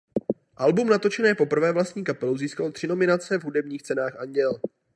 Album natočené poprvé vlastní kapelou získalo tři nominace v hudebních cenách Anděl.